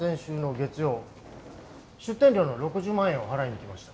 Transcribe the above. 出店料の６０万円を払いに行きました。